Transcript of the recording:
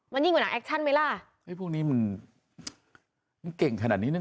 มันยิ่งกว่าหนังแอคชั่นไหมล่ะเฮ้ยพวกนี้มันมันเก่งขนาดนี้นะ